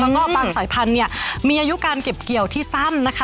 แล้วก็บางสายพันธุ์เนี่ยมีอายุการเก็บเกี่ยวที่สั้นนะคะ